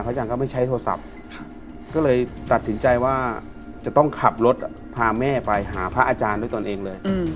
อาจารย์ก็ไม่ใช้โทรศัพท์ก็เลยตัดสินใจว่าจะต้องขับรถพาแม่ไปหาพระอาจารย์ด้วยตนเองเลย